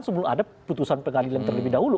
sebelum ada putusan pengadilan terlebih dahulu